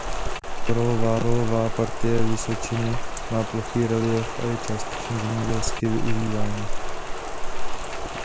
Vrcholová partie vysočiny má plochý reliéf a je částečně zemědělsky využívaná.